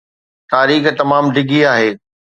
تاريخ تمام ڊگهي آهي